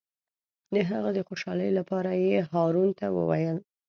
د هغه د خوشحالۍ لپاره یې هارون ته وویل.